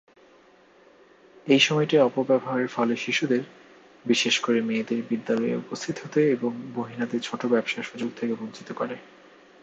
এই সময়টি অপব্যবহারের ফলে শিশুদের, বিশেষ করে মেয়েদের বিদ্যালয়ে উপস্থিত হতে এবং মহিলাদের ছোট ব্যবসার সুযোগ থেকে বঞ্চিত করে।